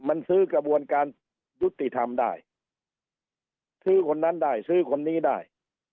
มันซื้อกระบวนการยุติธรรมได้ซื้อคนนั้นได้ซื้อคนนี้ได้